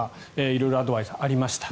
色々アドバイスありました。